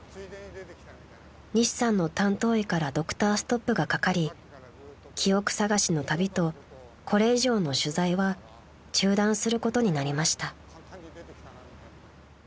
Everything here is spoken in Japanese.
［西さんの担当医からドクターストップがかかり記憶さがしの旅とこれ以上の取材は中断することになりました］